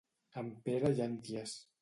En Pere Llànties.